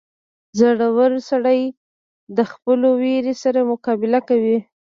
• زړور سړی د خپلو وېرې سره مقابله کوي.